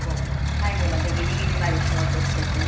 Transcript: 最後までギリギリまで仕事しててね。